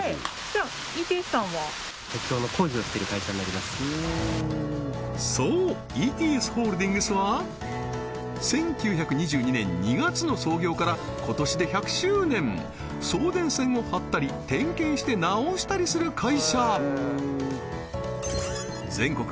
じゃＥＴＳさんはそうＥＴＳホールディングスは１９２２年２月の創業から今年で１００周年送電線を張ったり点検して直したりする会社全国